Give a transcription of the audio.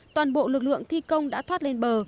toàn bộ lực lượng thi công đã thoát lên bờ